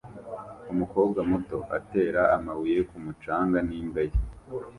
Umukobwa muto atera amabuye ku mucanga n'imbwa ye